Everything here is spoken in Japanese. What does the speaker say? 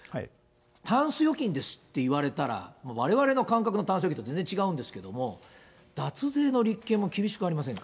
タンス預金ですって言われたら、われわれの感覚のタンス預金と全然違うんですけども、脱税の立件も厳しくありませんか？